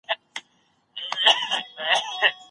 هغې د شفق مجلې ټولې برخې لوستې دي.